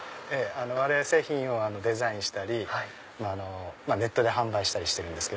我々製品をデザインしたりネットで販売したりしてるんです。